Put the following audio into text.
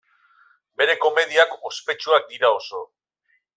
Bere komediak ospetsuak dira oso.